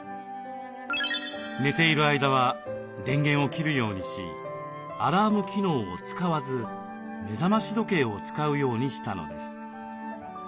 寝ている間は電源を切るようにしアラーム機能を使わず目覚まし時計を使うようにしたのです。